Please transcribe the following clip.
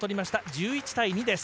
１１対２です。